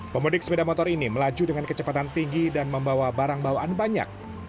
pemudik sepeda motor ini melaju dengan kecepatan tinggi dan membawa barang bawaan banyak